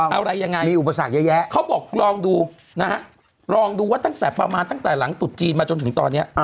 เอาอะไรยังไงเขาบอกลองดูนะฮะลองดูว่าตั้งแต่พอมาตั้งแต่หลังตุดจีนมาจนถึงตอนเนี้ย